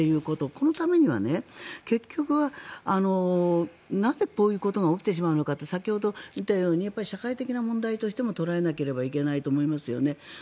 このためには結局はなぜ、こういうことが起きてしまうのかって先ほど、言ったように社会的な問題としても捉えなければいけないと思いますよね。